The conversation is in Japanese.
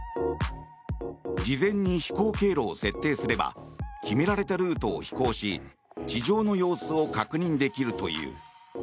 事前に飛行経路を設定すれば決められたルートを飛行し地上の様子を確認できるという。